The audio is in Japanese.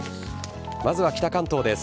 まずは北関東です。